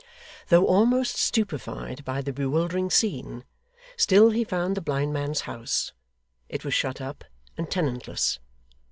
Though almost stupefied by the bewildering scene, still he found the blind man's house. It was shut up and tenantless.